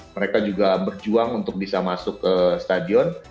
mereka juga berjuang untuk bisa masuk ke stadion